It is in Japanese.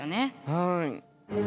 はい。